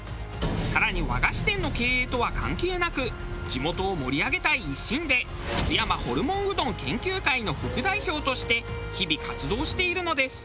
更に和菓子店の経営とは関係なく地元を盛り上げたい一心で津山ホルモンうどん研究会の副代表として日々活動しているのです。